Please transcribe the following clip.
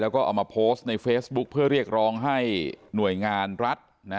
แล้วก็เอามาโพสต์ในเฟซบุ๊คเพื่อเรียกร้องให้หน่วยงานรัฐ